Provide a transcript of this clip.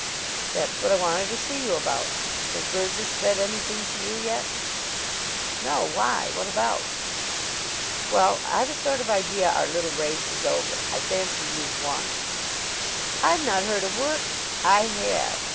"That's what I wanted to see you about. Has Burgess said anything to you yet?" "No. Why? What about?" "Well, I've a sort of idea our little race is over. I fancy you've won." "I've not heard a word " "I have.